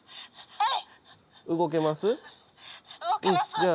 ☎はい。